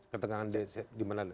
ketegangan di mana